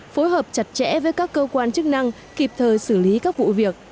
phối hợp chặt chẽ với các cơ quan chức năng kịp thời xử lý các vụ việc